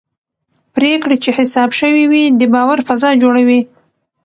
پرېکړې چې حساب شوي وي د باور فضا جوړوي